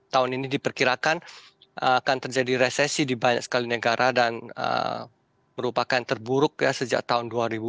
tahun ini diperkirakan akan terjadi resesi di banyak sekali negara dan merupakan terburuk ya sejak tahun dua ribu dua puluh